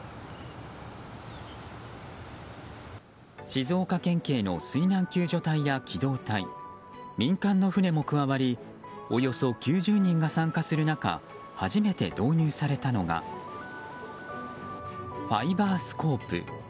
静岡県警の水難救助隊や機動隊民間の船も加わりおよそ９０人が参加する中初めて導入されたのがファイバースコープ。